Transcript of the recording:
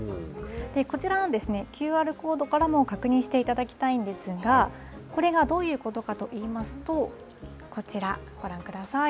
こちらは、ＱＲコードからも確認していただきたいんですが、これがどういうことかといいますと、こちら、ご覧ください。